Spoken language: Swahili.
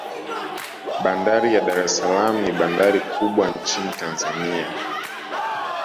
bandari ya dar es salaam ni bandari kubwa nchin tanzania